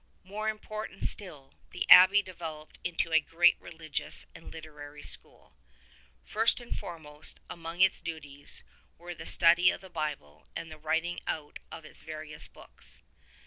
More important still, the abbey developed into a great religious and literary school. First and foremost among its duties were the study of the Bible and the writing out of its various books.